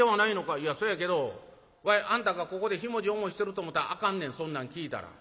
「いやそやけどわいあんたがここでひもじい思いしてると思たらあかんねんそんなん聞いたら。